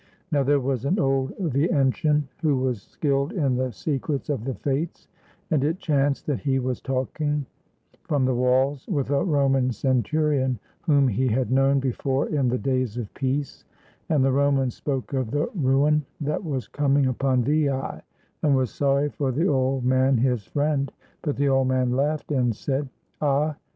Now there was an old Veientian who was skilled in the secrets of the Fates, and it chanced that he was talking from the walls with a Roman centurion whom he had known before in the days of peace; and the Roman spoke of the 313 ROME ruin that was coming upon Veii, and was sorry for the old man his friend; but the old man laughed and said: "Ah!